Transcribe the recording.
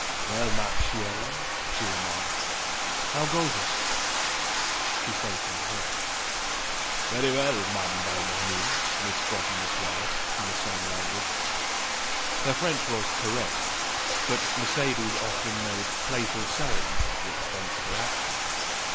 "Well, ma chèrie," she remarked, "How goes it?" She spoke in French. "Very well, ma bien aimée," Miss Scrotton replied in the same language. Her French was correct, but Mercedes often made playful sallies at the expense of her accent.